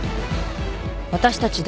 ［私たち